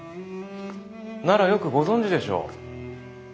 ならよくご存じでしょう。